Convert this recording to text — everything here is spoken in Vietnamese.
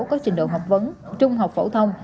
có trình độ học vấn trung học phổ thông